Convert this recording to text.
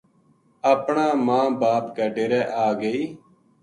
اپنا ماں باپ کے ڈیرے آ گئی